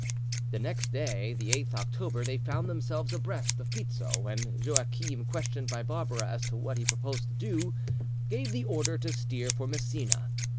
The next day, the 8th October, they found themselves abreast of Pizzo, when Joachim, questioned by Barbara as to what he proposed to do, gave the order to steer for Messina.